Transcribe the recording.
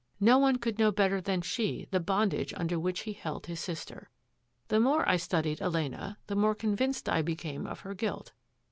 No one could know better than she the bondage under which he held his sister. The more I studied Elena, the more convinced I became of her guilt.